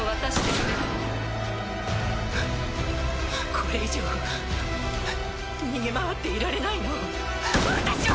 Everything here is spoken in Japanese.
これ以上逃げ回っていられないの私は！